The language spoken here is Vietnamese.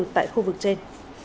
tại khu vực trên